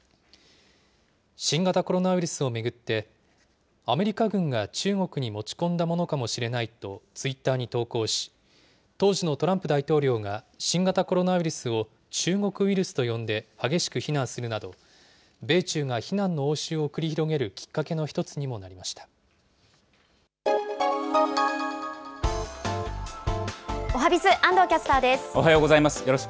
新型コロナウイルスを巡って、アメリカ軍が中国に持ち込んだものかもしれないとツイッターに投稿し、当時のトランプ大統領が新型コロナウイルスを中国ウイルスと呼んで激しく非難するなど、米中が非難の応酬を繰り広げるきっかけのおはＢｉｚ、おはようございます。